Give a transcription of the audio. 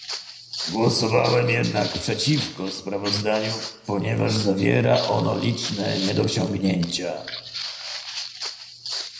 Głosowałem jednak przeciwko sprawozdaniu, ponieważ zawiera ono liczne niedociągnięcia